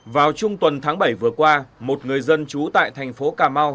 vào trung tuần tháng bảy vừa qua một người dân trú tại thành phố cà mau